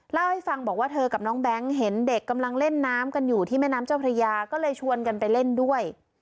เล่าให้ฟังบอกว่าเธอกับน้องแบงค์เห็นเด็กกำลังเล่นน้ำกันอยู่ที่แม่น้ำเจ้าพระยาก็เลยชวนกันไปเล่นด้วย